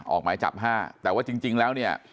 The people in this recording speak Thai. ออกหมายจับ๕แต่ว่าจริงแล้วเนี่ย